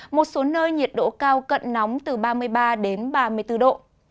một số nơi nhiệt độ cao cận nóng từ ba mươi ba đến ba mươi bốn độ